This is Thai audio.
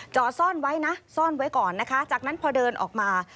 จอดซ่อนไว้นะซ่อนไว้ก่อนนะคะจากนั้นพอเดินออกมา